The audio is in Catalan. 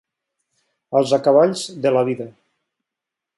Els acaballs de la vida.